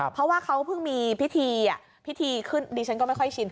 เพราะว่าเขาเพิ่งมีพิธีพิธีขึ้นดิฉันก็ไม่ค่อยชิน